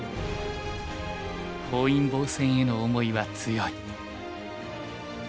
本因坊戦への思いは強い。